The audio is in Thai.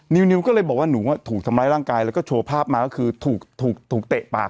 นิวก็เลยบอกว่าหนูถูกทำร้ายร่างกายแล้วก็โชว์ภาพมาก็คือถูกเตะปาก